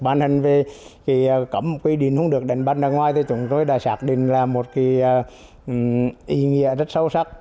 bản hình về cấm quy định không được đánh bắt ra ngoài thì chúng tôi đã xác định là một kỳ ý nghĩa rất sâu sắc